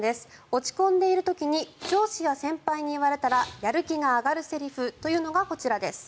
落ち込んでいる時に上司や先輩に言われたらやる気が上がるセリフというのがこちらです。